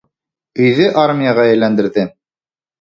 Өйҙө армияға әйләндерҙе.